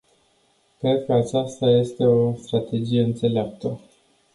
Cred că aceasta este o strategie înțeleaptă.